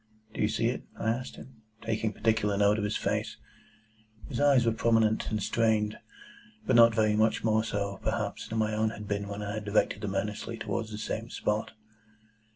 "Do you see it?" I asked him, taking particular note of his face. His eyes were prominent and strained, but not very much more so, perhaps, than my own had been when I had directed them earnestly towards the same spot.